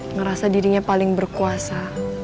ngerasa dirinya paling berkuasa